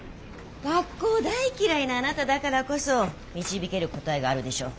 学校大嫌いなあなただからこそ導ける答えがあるでしょう。